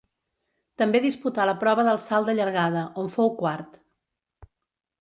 També disputà la prova del salt de llargada, on fou quart.